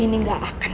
ini gak akan